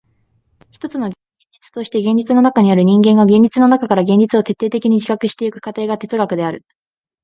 ひとつの現実として現実の中にある人間が現実の中から現実を徹底的に自覚してゆく過程が哲学である。